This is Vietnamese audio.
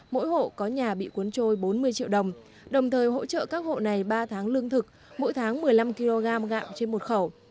mỗi hộ có nhà bị cuốn trôi bốn mươi triệu đồng đồng thời hỗ trợ các hộ này ba tháng lương thực mỗi tháng một mươi năm kg gạo trên một khẩu